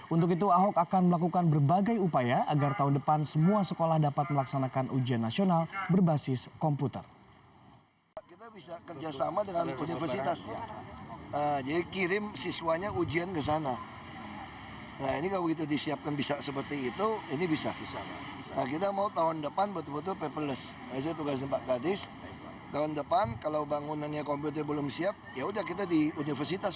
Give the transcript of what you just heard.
untuk itu ahok akan melakukan berbagai upaya agar tahun depan semua sekolah dapat melaksanakan ujian nasional berbasis komputer